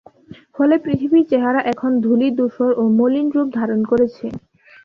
ফলে পৃথিবীর চেহারা এখন ধূলি-ধূসর ও মলিন রূপ ধারণ করেছে।